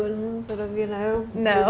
seperti jenis peralatan